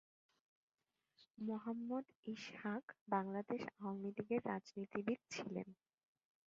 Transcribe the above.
মোহাম্মদ ইসহাক বাংলাদেশ আওয়ামী লীগের রাজনীতিবিদ ছিলেন।